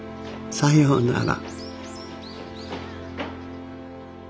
さようなら。